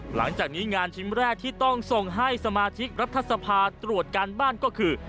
หลังจากนี้งานชิ้นแรกที่ต้องส่งให้สมาชิกรัฐสภาตรวจการบ้านก็คือ